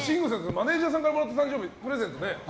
マネジャーさんからもらったプレゼントね。